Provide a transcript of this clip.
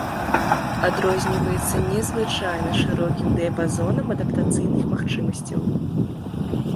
Адрозніваецца незвычайна шырокім дыяпазонам адаптацыйных магчымасцяў.